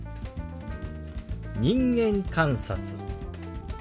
「人間観察」。